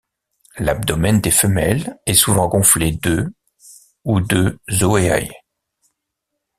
L’abdomen des femelles est souvent gonflé d’œufs ou de zoeae.